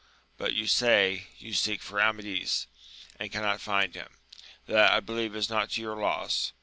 But, you say, you seek for Amadis, and cannot find him ; that I believe is not to your loss